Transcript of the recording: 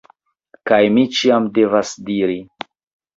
Kaj mi ĉiam devas diri